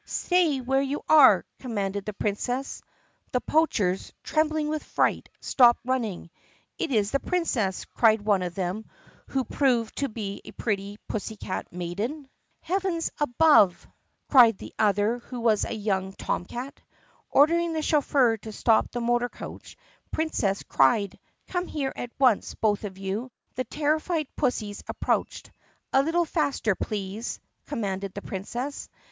"Stay where you are!" commanded the Princess. The poachers, trembling with fright, stopped run ning. "It's the Princess!" cried one of them who proved to be a pretty pussycat maiden. Charlie and Katie Katorze Stealing Catbird Eggs THE PUSSYCAT PRINCESS 85 ''Heavens above!" cried the other who was a young tomcat. Ordering the chauffeur to stop the motor coach the Princess cried, "Come here at once, both of you!" The terrified pussies approached. "A little faster, please!" commanded the Princess.